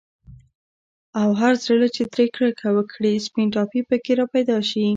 او هر زړه چي ترې كركه وكړي، سپين ټاپى په كي راپيدا شي